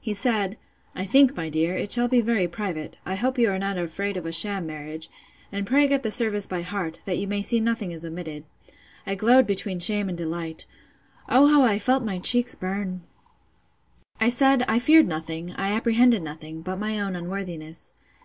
He said, I think, my dear, it shall be very private: I hope you are not afraid of a sham marriage; and pray get the service by heart, that you may see nothing is omitted. I glowed between shame and delight. O how I felt my cheeks burn! I said, I feared nothing, I apprehended nothing, but my own unworthiness.